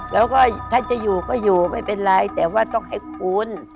แล้วก็ถ้าจะอยู่ก็อยู่ไม่เป็นไรแต่ว่าต้องให้คุณ